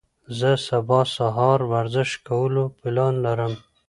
زه سبا سهار ورزش کولو پلان لرم.